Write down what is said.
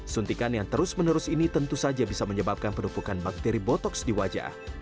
suntikan yang terus menerus ini tentu saja bisa menyebabkan penumpukan bakteri botoks di wajah